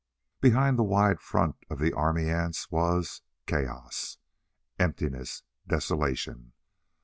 Behind the wide front of the army ants was chaos. Emptiness. Desolation.